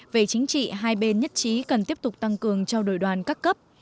về chính trị hai bên nhất trí cần tiếp tục tăng cường trao đổi đoàn các cấp